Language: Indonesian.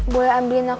boleh ambilin aku